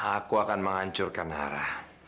aku akan menghancurkan nara